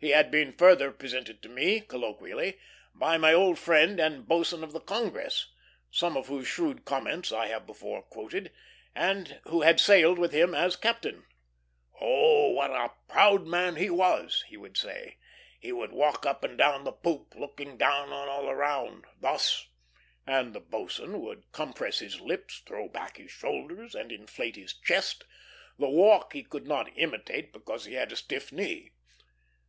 He had been further presented to me, colloquially, by my old friend the boatswain of the Congress, some of whose shrewd comments I have before quoted, and who had sailed with him as a captain. "Oh! what a proud man he was!" he would say. "He would walk up and down the poop, looking down on all around, thus" and the boatswain would compress his lips, throw back his shoulders, and inflate his chest; the walk he could not imitate because he had a stiff knee.